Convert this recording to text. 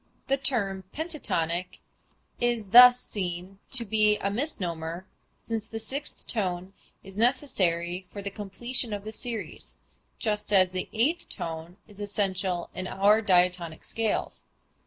The term pentatonic is thus seen to be a misnomer since the sixth tone is necessary for the completion of the series, just as the eighth tone is essential in our diatonic scales.